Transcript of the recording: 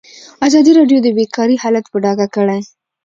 ازادي راډیو د بیکاري حالت په ډاګه کړی.